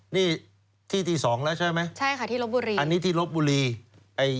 นี่ที่ที่สองแล้วใช่ไหมใช่ค่ะที่ลบบุรีอันนี้ที่ลบบุรีไอ้